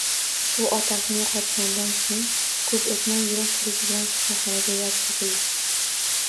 U otasini yoʼqotgandan keyin koʼp oʼtmay yurak xuruji bilan shifoxonaga yotqizildi